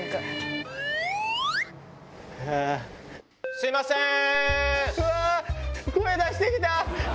すいません！